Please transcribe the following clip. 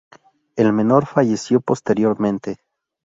El menor falleció posteriormente.